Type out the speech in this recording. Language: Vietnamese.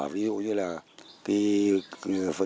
ví dụ như là